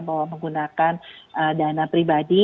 bahwa menggunakan dana pribadi